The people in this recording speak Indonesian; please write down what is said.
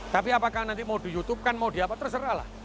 tapi apakah nanti mau di youtube kan mau di apa terserah lah